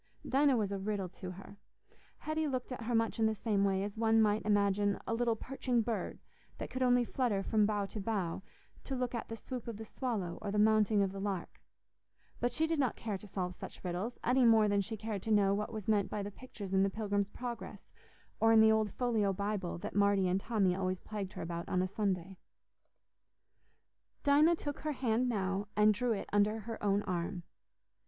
Dinah was a riddle to her; Hetty looked at her much in the same way as one might imagine a little perching bird that could only flutter from bough to bough, to look at the swoop of the swallow or the mounting of the lark; but she did not care to solve such riddles, any more than she cared to know what was meant by the pictures in the Pilgrim's Progress, or in the old folio Bible that Marty and Tommy always plagued her about on a Sunday. Dinah took her hand now and drew it under her own arm.